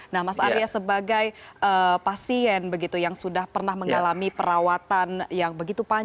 nah mas arya sebagai pasien begitu yang sudah pernah mengalami perawatan yang begitu panjang